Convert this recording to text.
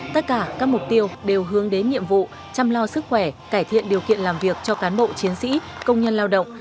tất cả các mục tiêu đều hướng đến nhiệm vụ chăm lo sức khỏe cải thiện điều kiện làm việc cho cán bộ chiến sĩ công nhân lao động